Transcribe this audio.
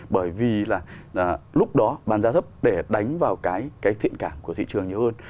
bởi vì là lúc đó bán giá thấp để đánh vào cái thiện cảm của thị trường nhiều hơn